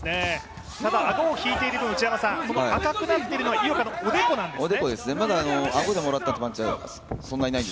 ただ顎を引いている分、赤くなっているのは井岡のおでこなんですね。